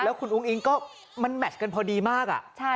คุณอุ้งอิงก็มันแมชกันพอดีมาก